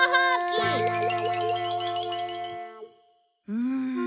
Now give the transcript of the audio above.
うん。